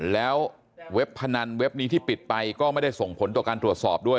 แล้วเว็บพนันเว็บนี้ที่ปิดไปก็ไม่ได้ส่งผลต่อการตรวจสอบด้วย